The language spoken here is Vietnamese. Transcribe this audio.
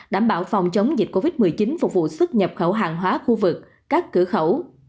đảm bảo phòng chống dịch covid một mươi chín phục vụ xuất nhập khẩu hàng hóa khu vực các cửa khẩu